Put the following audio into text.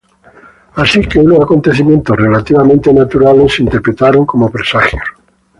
Así que unos acontecimientos relativamente naturales se interpretaron como presagios.